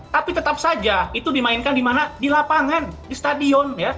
tapi tetap saja itu dimainkan di mana di lapangan di stadion